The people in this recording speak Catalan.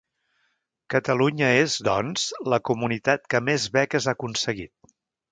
Catalunya és, doncs, la comunitat que més beques ha aconseguit.